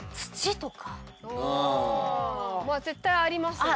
絶対ありましたもんね。